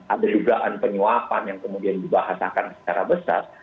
ada dugaan penyuapan yang kemudian dibahasakan secara besar